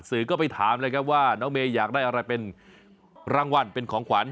สื่อก็ไปถามเลยครับว่าน้องเมย์อยากได้อะไรเป็นรางวัลเป็นของขวัญ